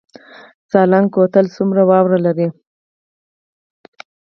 سالنګ کوتل څومره واوره لري؟